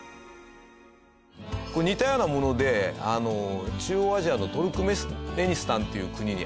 これ似たようなもので中央アジアのトルクメニスタンっていう国にあるんですよ。